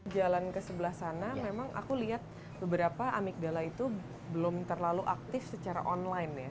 jalan ke sebelah sana memang aku lihat beberapa amigdala itu belum terlalu aktif secara online ya